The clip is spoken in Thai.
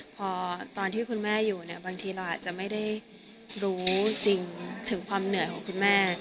พอตอนที่คุณแม่อยู่เนี่ยบางทีเราอาจจะไม่ได้รู้จริงถึงความเหนื่อยของคุณแม่